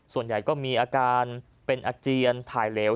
ส่วนใหญ่ก็มีอาการเป็นอาเจียนถ่ายเหลว